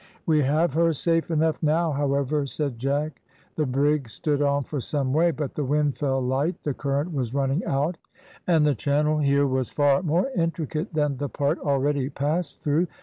"We have her safe enough now, however," said Jack. The brig stood on for some way, but the wind fell light, the current was running out, and the channel here was far more intricate than the part already passed through.